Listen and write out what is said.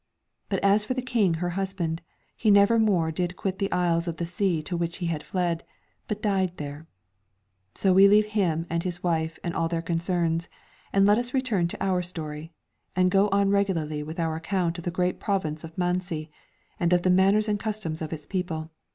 But as for the King her husband, he never more did quit the isles of the sea to which he had fled, but died there. So leave we him and his wife and all their concerns, and let us return to our story, and go on regularly with our account of the great province of Manzi and of the manners and customs of its people.